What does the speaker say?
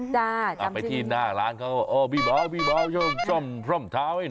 ไปที่หน้าร้านเขาบิบาวบิบาวซ่อมรองเท้าให้หน่อย